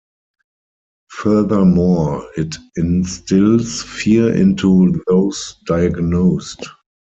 Furthermore, it instils fear into those diagnosed.